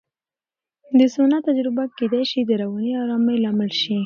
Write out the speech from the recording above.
د سونا تجربه کېدای شي د رواني آرامۍ لامل شي.